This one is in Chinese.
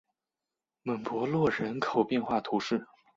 蒙博洛人口变化图示